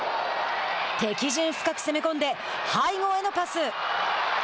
敵陣深く攻め込んで背後へのパス。